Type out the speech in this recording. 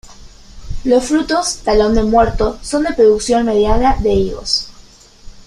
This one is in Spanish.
Los frutos 'Talón de Muerto' son de producción mediana de higos.